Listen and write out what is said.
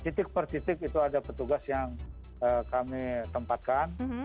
titik per titik itu ada petugas yang kami tempatkan